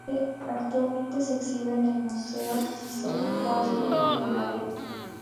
Actualmente se exhibe en el Museo Thyssen-Bornemisza de Madrid.